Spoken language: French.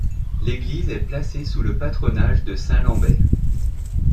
L'église est placée sous le patronage de saint Lambert.